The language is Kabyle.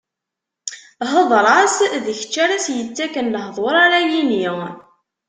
Hdeṛ-as, d kečč ara s-ittaken lehduṛ ara yini.